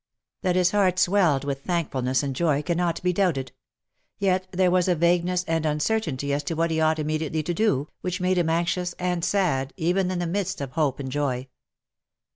That his heart swelled with thankfulness and joy cannot be doubted; yet there was a vagueness and uncertainty as to what he ought immediately to do, which made him anxious and sad, even in the midst of hope and joy.